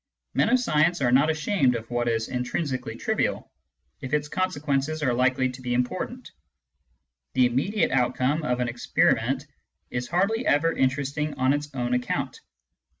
Men of science are not ashamed of what is intrinsically trivial, if its consequences are likely to be important ; the immediate outcome of an experiment is hardly ever interesting on its own account.